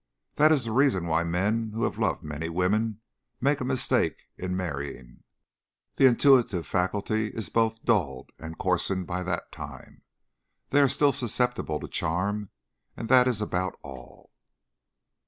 That is the reason why men who have loved many women make a mistake in marrying; the intuitive faculty is both dulled and coarsened by that time. They are still susceptible to charm, and that is about all."